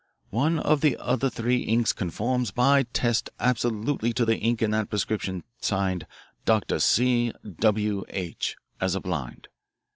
One of the other three inks conforms by test absolutely to the ink in that prescription signed 'Dr. C. W. H.' as a blind.